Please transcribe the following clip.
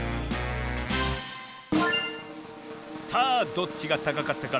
さあどっちがたかかったかみてみるぞ。